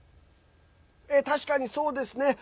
確かにそうですね。